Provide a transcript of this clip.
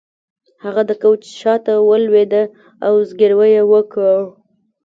هغه د کوچ شاته ولویده او زګیروی یې وکړ